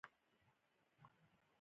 د موټر توله چپ لاس ته ده که ښي لاس ته